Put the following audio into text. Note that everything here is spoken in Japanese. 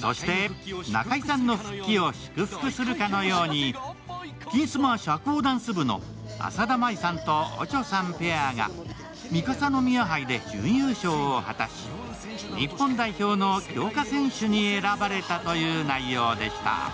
そして中居さんの復帰を祝福するかのように「金スマ」社交ダンス部の浅田舞さんとオチョさんペアが三笠宮杯で準優勝を果たし、日本代表の強化選手に選ばれたという内容でした。